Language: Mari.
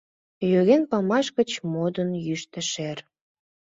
Йоген памаш гыч, модын, йӱштӧ шер.